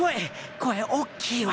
声おっきいわ！